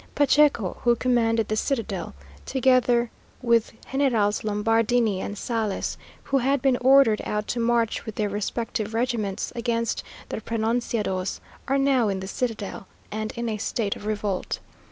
Pacheco, who commanded the citadel, together with Generals Lombardini and Sales, who had been ordered out to march with their respective regiments against the pronunciados, are now in the citadel, and in a state of revolt.